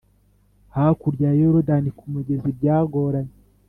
Hakurya ya Yorodani kumugezi byagoranye